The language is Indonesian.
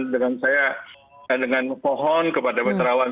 dengan saya dengan pohon kepada pak terawan